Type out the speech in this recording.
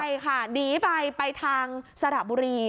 ใช่ค่ะหนีไปไปทางสระบุรี